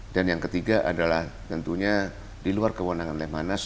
dan yang ketiga adalah tentunya di luar kewenangan lemhanas